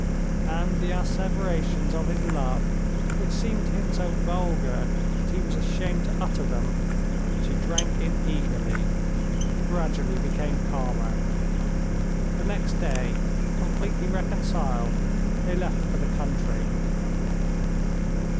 And the asseverations of his love, which seemed to him so vulgar that he was ashamed to utter them, she drank in eagerly, and gradually became calmer. The next day, completely reconciled, they left for the country.